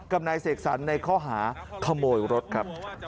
กับนายเสกสรรในข้อหาขโมยรถครับ